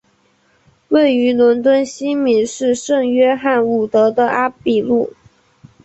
位于伦敦西敏市圣约翰伍德的阿比路。